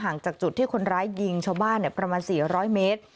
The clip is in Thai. จากจุดที่คนร้ายยิงชาวบ้านประมาณ๔๐๐เมตร